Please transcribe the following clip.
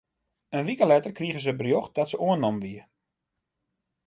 In wike letter krige se berjocht dat se oannommen wie.